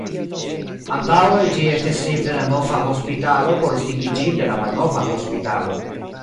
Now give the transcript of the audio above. Antaŭe ĝi estis simple la Nova hospitalo por distingi ĝin de la Malnova hospitalo.